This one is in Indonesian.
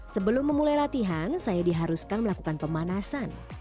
sebelum memulai latihan saya diharuskan melakukan pemanasan